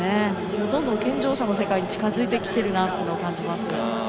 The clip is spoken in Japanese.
どんどん健常者の世界に近づいてきていると感じます。